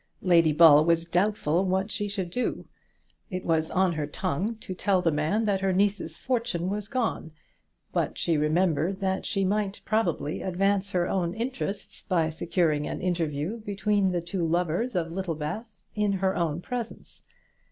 Lady Ball was doubtful what she would do. It was on her tongue to tell the man that her niece's fortune was gone. But she remembered that she might probably advance her own interests by securing an interview between the two lovers of Littlebath in her own presence.